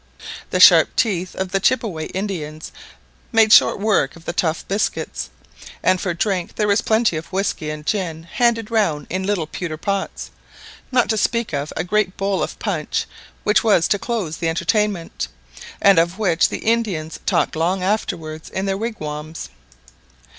The sharp teeth of the Chippeway Indians made short work of the tough biscuits; and for drink there was plenty of whisky and gin handed round in little pewter pots, not to speak of a great bowl of punch which was to close the entertainment, and of which the Indians talked long afterwards in their wigwams.